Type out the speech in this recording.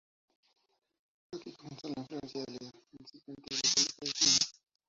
Aquí comenzó la influencia de la incipiente República de Siena.